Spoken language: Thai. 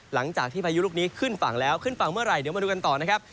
หลังจากที่พายุลูกนี้ขึ้นฝั่งแล้วขึ้นฝั่งเมื่อไหร่เดี๋ยวมาดูกันต่อนะครับ